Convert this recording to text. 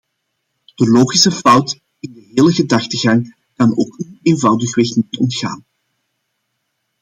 De logische fout in de hele gedachtegang kan ook u eenvoudigweg niet ontgaat.